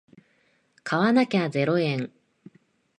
買わなきゃゼロ円